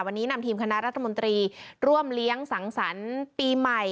วันนี้นำทีมคณะรัฐมนตรีร่วมเลี้ยงสังสรรค์ปีใหม่